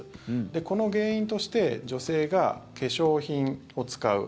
この原因として女性が化粧品を使う。